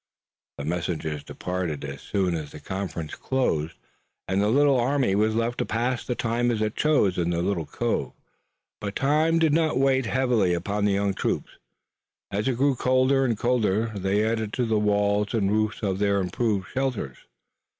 The messengers departed as soon as the conference closed, and the little army was left to pass the time as it chose in the cove. But time did not weigh heavily upon the young troops. As it grew colder and colder they added to the walls and roofs of their improvised shelters.